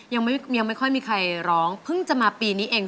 ยังไม่ค่อยมีใครร้องเพิ่งจะมาปีนี้เอง